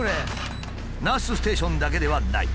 ナースステーションだけではない。